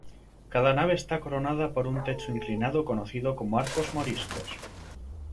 Cada nave está coronada por un techo inclinado conocido como arcos moriscos.